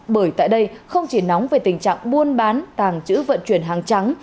bởi tại đây không chỉ nóng về tình trạng buôn bán tàng trữ vận chuyển hàng trắng